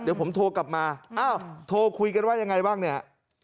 เดี๋ยวผมโทรกลับมาอ้าวโทรคุยกันว่ายังไงบ้างเนี่ย